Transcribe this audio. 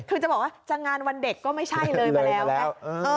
คือจะบอกว่าจะงานวันเด็กก็ไม่ใช่เลยมาแล้วไง